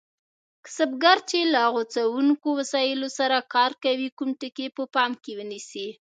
کسبګر چې له غوڅوونکو وسایلو سره کار کوي کوم ټکي په پام کې ونیسي؟